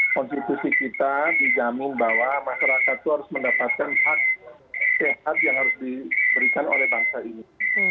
konstitusi kita dijamin bahwa masyarakat itu harus mendapatkan hak sehat yang harus diberikan oleh bangsa ini